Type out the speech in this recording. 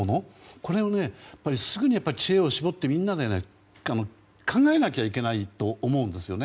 これを、すぐに知恵を絞ってみんなで考えなきゃいけないと思うんですよね。